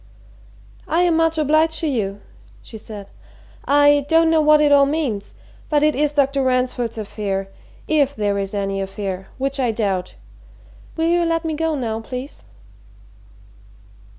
"I am much obliged to you," she said. "I don't know what it all means but it is Dr. Ransford's affair if there is any affair, which I doubt. Will you let me go now, please?"